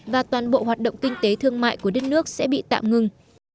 và toàn bộ hoạt động kinh tế thương mại của đất nước sẽ bị tạm ngừng